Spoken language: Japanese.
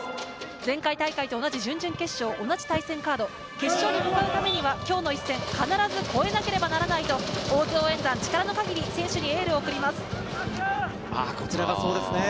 前回大会と同じ準々決勝、同じ対戦カード、決勝に向かうためには今日の一戦、必ず超えなければならないと、大津応援団、力の限り選手にエールを送ります。